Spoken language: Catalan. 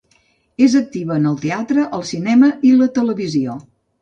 És activa en el teatre, el cinema i la televisió.